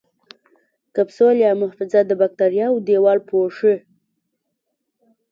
کپسول یا محفظه د باکتریاوو دیوال پوښي.